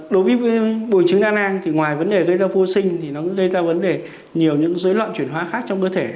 đối với bùi trứng đa năng thì ngoài vấn đề gây ra vô sinh thì nó cũng gây ra vấn đề nhiều những dối loạn chuyển hóa khác trong cơ thể